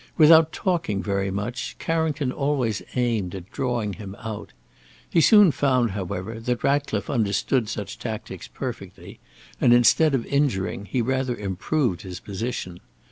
Without talking very much, Carrington always aimed at drawing him out. He soon found, however, that Ratcliffe understood such tactics perfectly, and instead of injuring, he rather improved his position.